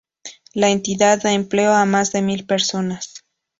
La entidad da empleo a más de mil personas.